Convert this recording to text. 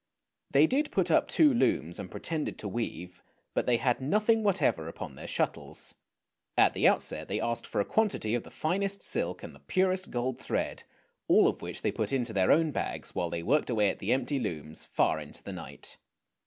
They did put up two looms and pretended to weave, but they had nothing whatever upon their shuttles. At the outset 218 THE EMPEROR'S NEW CLOTHES 219 they asked for a quantity of the finest silk and the purest gold thread, all of which they put into their own bags while they worked away at the empty looms far into the night.